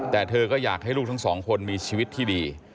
แต่เธอก็อยากให้ลูกทั้งสองคนมีชีวิตที่ดี